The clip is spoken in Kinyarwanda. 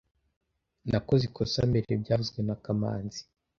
Nakoze ikosa mbere byavuzwe na kamanzi